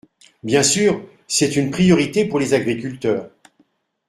Bien sûr ! C’est une priorité pour les agriculteurs.